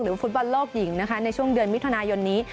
ฟุตบอลโลกหญิงนะคะในช่วงเดือนมิถุนายนนี้